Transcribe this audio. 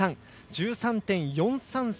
１３．４３３